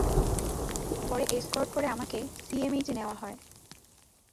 পরে এসকর্ট করে আমাকে সিএমএইচে নেওয়া হয়।